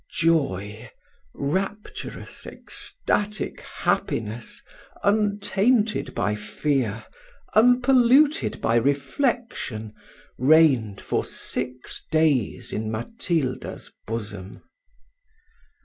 Joy, rapturous, ecstatic happiness, untainted by fear, unpolluted by reflection, reigned for six days in Matilda's bosom.